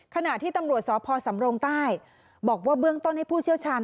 ขณะที่ตำรวจสพสำรงใต้บอกว่าเบื้องต้นให้ผู้เชี่ยวชาญ